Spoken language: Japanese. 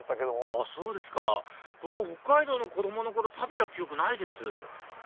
あっそうですか僕北海道の子供の頃食べた記憶ないです